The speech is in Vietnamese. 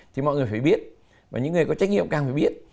thì mọi người phải biết và những người có trách nhiệm càng phải biết